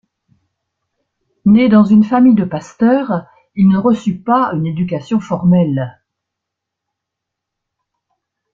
Né dans une famille de pasteurs, il ne reçut pas une éducation formelle.